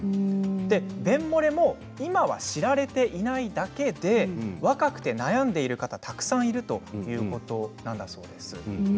便もれも今は知られていないだけで若くて悩んでいる方、たくさんいるということなんだそうです。